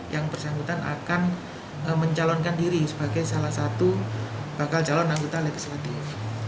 yang bersangkutan akan mencalonkan diri sebagai salah satu bakal calon anggota legislatif